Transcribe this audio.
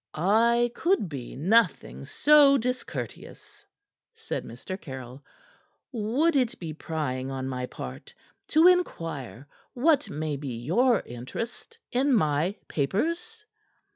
"I could be nothing so discourteous," said Mr. Caryll. "Would it be prying on my part to inquire what may be your interest in my papers?"